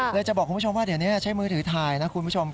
จะบอกคุณผู้ชมว่าเดี๋ยวนี้ใช้มือถือถ่ายนะคุณผู้ชม